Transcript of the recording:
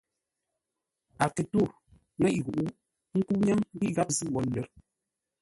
A kə̂ ntó nŋéʼ ghuʼu, ə́ nkə́u ńnyáŋ ghíʼ gháp zʉ́ wo lə̌r.